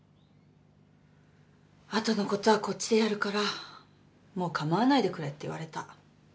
後のことはこっちでやるからもう構わないでくれって言われた。